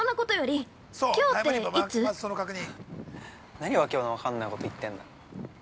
何、訳の分かんないこと言ってんだ？